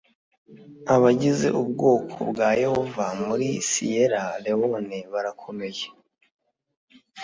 abagize ubwoko bwa Yehova muri Siyera Lewone barakomeye.